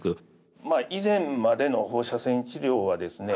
以前までの放射線治療はですね